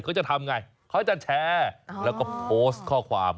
เขาจะทำไงเขาจะแชร์แล้วก็โพสต์ข้อความ